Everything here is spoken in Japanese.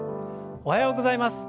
おはようございます。